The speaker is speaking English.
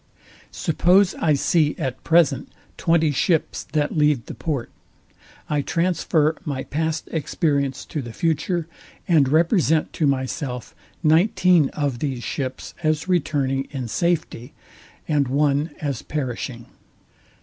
Suppose I see at present twenty ships that leave the port: I transfer my past experience to the future, and represent to myself nineteen of these ships as returning in safety, and one as perishing.